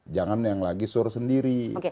jangan yang lagi suruh sendiri